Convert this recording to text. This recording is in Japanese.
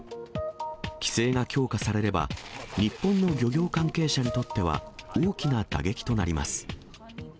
規制が強化されれば、日本の漁業関係者にとっては、大きな打撃となります。